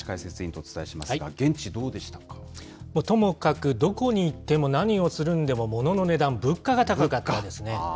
ともかく、どこに行っても何をするんでもものの値段、物価が高かったですね。